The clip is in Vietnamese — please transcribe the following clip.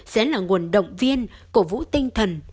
sẽ là nguồn động viên cổ vũ tinh thần